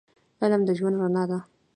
علم د ژوند رڼا ده